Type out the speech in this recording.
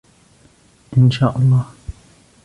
إن شاء الله!